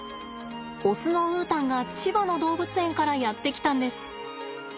オスのウータンが千葉の動物園からやって来たんです。